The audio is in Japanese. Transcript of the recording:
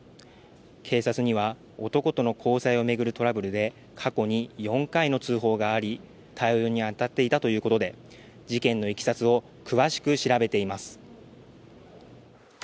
警察には男との交際を巡るトラブルで過去に４回の通報があり対応に当たっていたということで事件のいきさつを詳しく調べています。